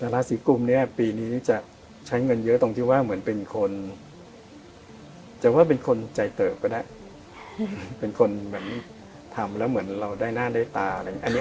ราศีกุมเนี่ยปีนี้จะใช้เงินเยอะตรงที่ว่าเหมือนเป็นคนจะว่าเป็นคนใจเติบก็ได้เป็นคนเหมือนทำแล้วเหมือนเราได้หน้าได้ตาอะไรอย่างนี้